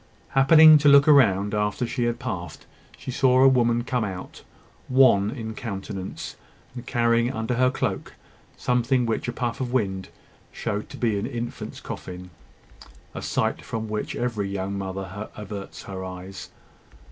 Happening to look round after she had passed, she saw a woman come out, wan in countenance, and carrying under her cloak something which a puff of wind showed to be an infant's coffin a sight from which every young mother averts her eyes.